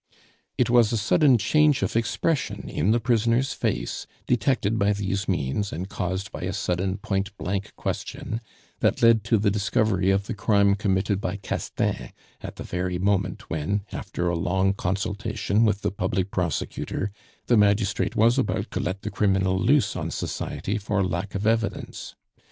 It was a sudden change of expression in the prisoner's face, detected by these means, and caused by a sudden point blank question, that led to the discovery of the crime committed by Castaing at the very moment when, after a long consultation with the public prosecutor, the magistrate was about to let the criminal loose on society for lack of evidence.